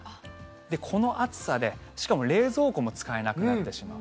この暑さで、しかも冷蔵庫も使えなくなってしまう。